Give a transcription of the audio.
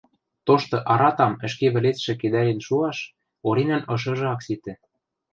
Тошты аратам ӹшке вӹлецшӹ кедӓрен шуаш Оринӓн ышыжы ак ситӹ.